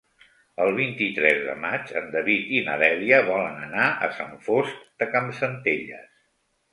El vint-i-tres de maig en David i na Dèlia volen anar a Sant Fost de Campsentelles.